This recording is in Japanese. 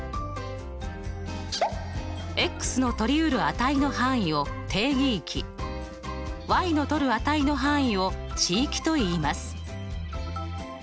のとりうる値の範囲を定義域のとる値の範囲を値域といいます。